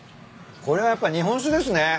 これはやっぱ日本酒ですね。